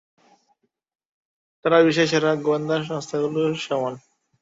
তারা বিশ্বের সেরা গোয়েন্দা সংস্থাগুলির সমান।